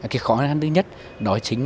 cái khó khăn thứ nhất đó chính là